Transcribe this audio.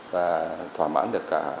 và thỏa mãn được cả